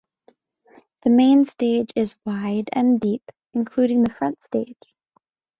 The main stage is wide and deep including the front stage.